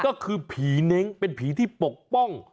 ก็คือผีเน้งเป็นผีที่ปกป้อง